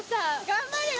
頑張るよ。